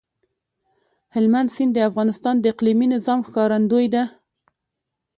هلمند سیند د افغانستان د اقلیمي نظام ښکارندوی ده.